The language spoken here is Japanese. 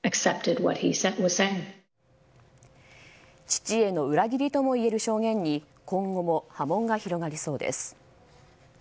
父への裏切りともいえる証言に今後も波紋が広がりそうです。